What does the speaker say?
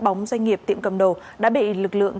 bóng doanh nghiệp tiệm cầm đồ đã bị lực lượng